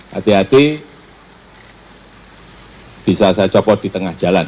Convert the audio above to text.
hati hati bisa saya copot di tengah jalan